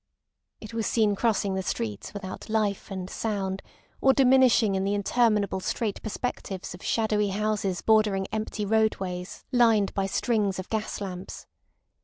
It was seen crossing the streets without life and sound, or diminishing in the interminable straight perspectives of shadowy houses bordering empty roadways lined by strings of gas lamps.